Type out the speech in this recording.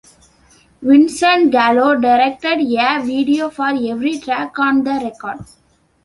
Vincent Gallo directed a video for every track on the record.